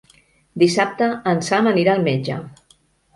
Dissabte en Sam anirà al metge.